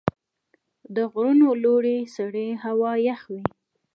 د غرونو لوړې سرې هوا یخ وي.